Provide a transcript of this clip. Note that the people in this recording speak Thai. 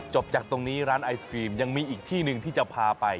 จากตรงนี้ร้านไอศครีมยังมีอีกที่หนึ่งที่จะพาไป